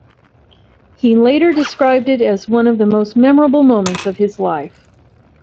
He later described it as one of the most memorable moments of his life.